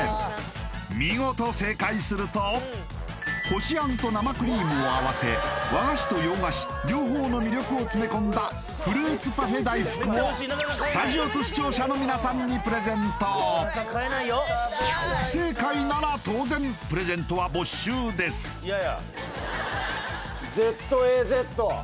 見事正解するとこしあんと生クリームを合わせ和菓子と洋菓子両方の魅力を詰め込んだフルーツパフェ大福をスタジオと視聴者の皆さんにプレゼント不正解なら当然プレゼントは没収ですぜ！